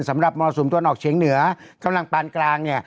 สำหรับมรสมตวนออกเชียงเหนือกำลังปานกลางเนี่ย